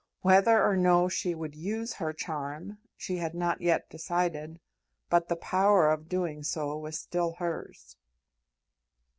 Whether or no she would use her charm, she had not yet decided, but the power of doing so was still hers.